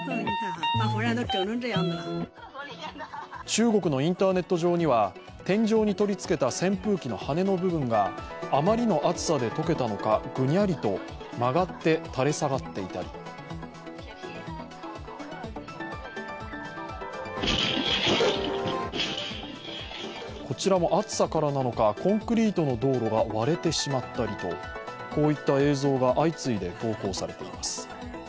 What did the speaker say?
中国のインターネット上には天井に取りつけた扇風機の羽の部分があまりのあつさでとけたのかぐにゃりと曲がって垂れ下がったりこちらも暑さからなのか、コンクリートの道路が割れてしまったりと、こういった映像が相次いで投稿されています。